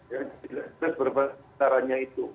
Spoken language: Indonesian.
jadi kita lihat berapa tarifnya itu